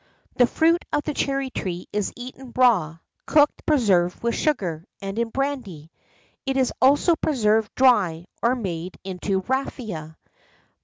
"The fruit of the cherry tree is eaten raw, cooked, preserved with sugar, and in brandy; it is also preserved dry, or made into ratafia.